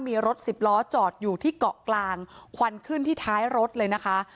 มีรถสิบล้อจอดอยู่ที่เกาะกลางควันขึ้นที่ท้ายรถเลยนะคะ